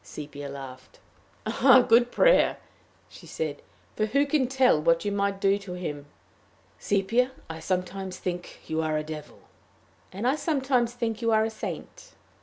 Sepia laughed. "A good prayer," she said; "for who can tell what you might do to him!" "Sepia, I sometimes think you are a devil." "And I sometimes think you are a saint."